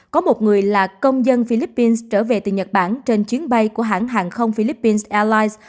có một người là công dân philippines trở về từ nhật bản trên chuyến bay của hãng hàng không philippines airlines